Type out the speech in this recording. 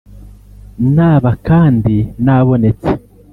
Naba kandi nabonetse